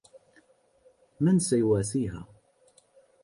من سيواسيها؟